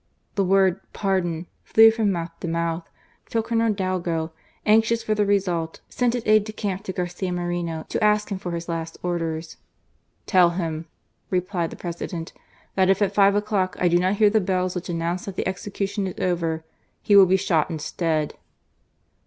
The word " pardon " flew from mouth to mouth, till Colonel Dalgo, anxious for the result, sent his aide de camp to Garcia Moreno to ask him for his last orders. "Tell him," replied the President, "that if at five o'clock, I do not hear the bells which announce that the execution is over, he will be shot instead."